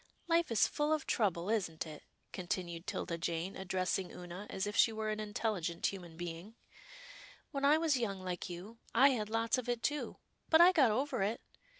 " Life is full of trouble, isn't it," continued 'Tilda Jane, addressing Oonah as if she were an intelligent human being. " When I was young like you, I had lots of it, too, but I got over it.